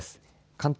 関東